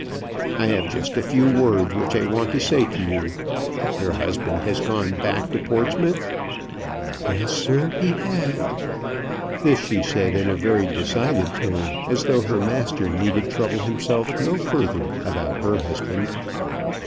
"I have just a few words which I want to say to you. Your husband has gone back to Portsmouth?" "Yes sir; he have." This she said in a very decided tone, as though her master need trouble himself no further about her husband.